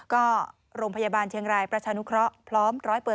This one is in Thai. ก็โรงพยาบาลเชียงรายประชานุเคราะห์พร้อม๑๐๐